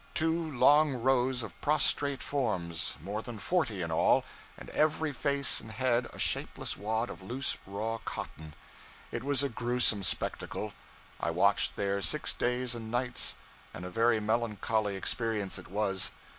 Two long rows of prostrate forms more than forty, in all and every face and head a shapeless wad of loose raw cotton. It was a gruesome spectacle. I watched there six days and nights, and a very melancholy experience it was.